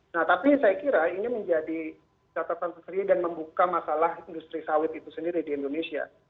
nah tapi saya kira ini menjadi catatan tersendiri dan membuka masalah industri sawit itu sendiri di indonesia